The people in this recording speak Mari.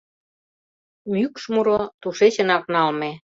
«Мӱкш муро» — тушечынак налме.